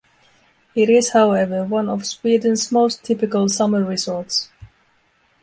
It is however one of Sweden's most typical summer resorts.